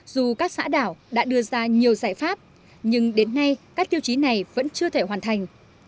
dù các xã đảo đã đưa ra nhiều giải pháp nhưng đến nay các tiêu chí này vẫn chưa thể hoàn thành